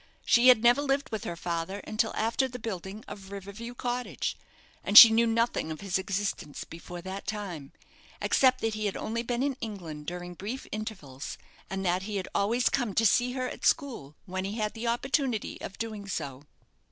She had never lived with her father until after the building of River View Cottage, and she knew nothing of his existence before that time, except that he had only been in England during brief intervals, and that he had always come to see her at school when he had an opportunity of doing so.